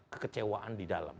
kekecewaan di dalam